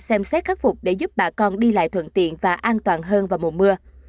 xem xét khắc phục để giúp bà con đi lại thuận tiện và an toàn hơn vào mùa mưa